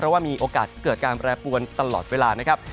เพราะว่ามีโอกาสเกิดการแปรปวนตลอดเวลานะครับ